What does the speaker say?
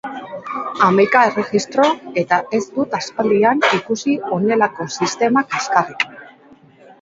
Hamaika erregistro eta ez dut aspaldian ikusi honelako sistema kaxkarrik!